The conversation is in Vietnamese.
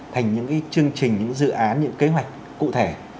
thành những chương trình những dự án những kế hoạch cụ thể